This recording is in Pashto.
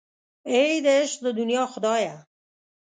اې د عشق د دنیا خدایه.